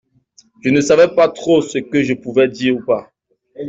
Je ne savais pas trop ce que je pouvais dire ou pas.